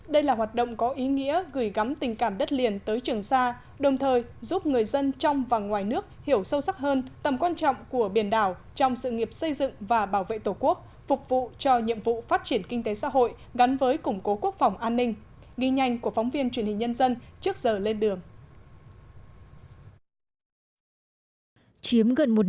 đây là hoạt động có ý nghĩa gửi gắm tình cảm đất liền tới trường sa đồng thời giúp người dân trong và ngoài nước hiểu sâu sắc hơn tầm quan trọng của biển đảo trong sự nghiệp xây dựng và bảo vệ tổ quốc phục vụ cho nhiệm vụ phát triển kinh tế xã hội gắn với củng cố quốc phòng an ninh ghi nhanh của phóng viên truyền hình nhân dân trước giờ lên đường